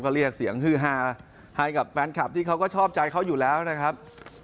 ก็เรียกเสียงฮือฮาให้กับแฟนคลับที่เขาก็ชอบใจเขาอยู่แล้วนะครับ